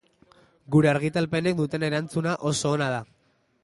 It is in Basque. Gure argitalpenek duten erantzuna oso ona da.